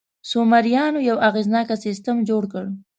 سومریان یو اغېزناک سیستم جوړ کړ.